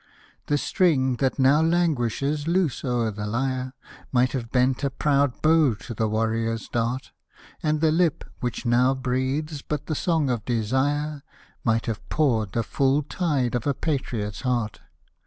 The string, that now languishes loose o'er the lyre, Might have bent a proud bow to the warrior's dart ; And the hp, which now breathes but the song of desire. Might have poured the full tide of a patriot's heart.